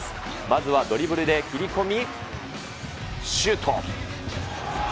まずはドリブルで切り込み、シュート。